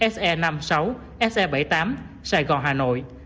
se năm mươi sáu se bảy mươi tám sài gòn hà nội